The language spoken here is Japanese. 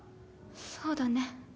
そうだね。